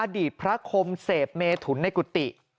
อดีตพระคมเสพเมถุนในกุฏิ